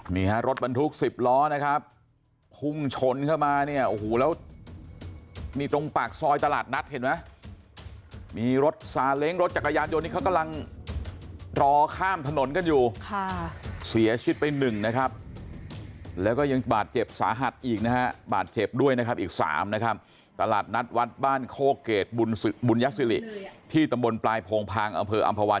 นี่ฮะรถบรรทุก๑๐ล้อนะครับพุ่งชนเข้ามาเนี่ยโอ้โหแล้วนี่ตรงปากซอยตลาดนัดเห็นไหมมีรถซาเล้งรถจักรยานยนต์นี้เขากำลังรอข้ามถนนกันอยู่ค่ะเสียชีวิตไปหนึ่งนะครับแล้วก็ยังบาดเจ็บสาหัสอีกนะฮะบาดเจ็บด้วยนะครับอีก๓นะครับตลาดนัดวัดบ้านโคเกรดบุญบุญยศิริที่ตำบลปลายโพงพางอำเภออำภาวัน